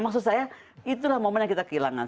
maksud saya itulah momen yang kita kehilangan